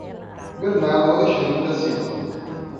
Bernardo Alexandre da Silva